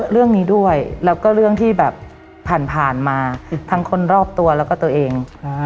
เรื่องนี้ด้วยแล้วก็เรื่องที่แบบผ่านมาทั้งคนรอบตัวแล้วก็ตัวเอง